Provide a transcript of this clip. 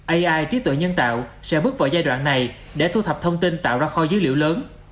ai trí tuệ nhân tạo sẽ bước vào giai đoạn này để thu thập thông tin tạo ra kho dữ liệu lớn